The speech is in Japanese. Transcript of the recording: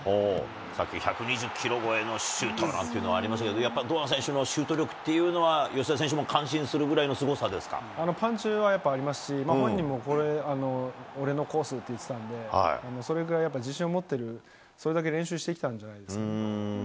さっき、１２０キロ超えのシュートなんていうのありましたけど、やっぱり堂安選手のシュート力っていうのは吉田選手も感心するぐパンチはやっぱりありますし、本人もこれ俺のコースって言ってたんで、それぐらいやっぱり、自信を持ってる、それだけ練習してきたんじゃないですかね。